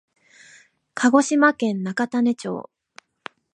鹿児島県中種子町